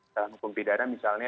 dalam hukum pidana misalnya